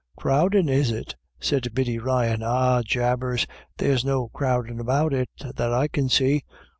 " Crowdin', is it ?" said Biddy Ryan ;" oh jabers, there's no crowdin* about it that I can see.